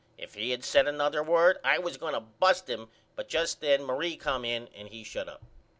If he had said another word I was going to bust him but just then Marie come in and he shut up.